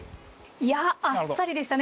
いやあっさりでしたね